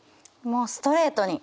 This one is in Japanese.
もうストレートに。